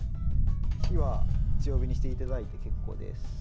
火は強火にしていただいて結構です。